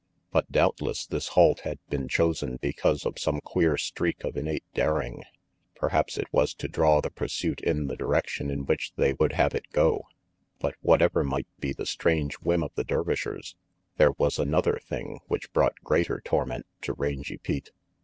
But doubtless this halt had been chosen because of some queer streak of innate daring; perhaps it was to draw the pursuit in the direction in which they would have it go; but what ever might be the strange whim of the Dervishers, there was another thing which brought greater torment to Rangy Pete.